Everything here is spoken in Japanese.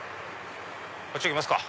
こっち行きますか。